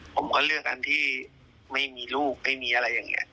ผมก็เลือกอันที่ไม่มีลูกไม่มีอะไรอย่างนี้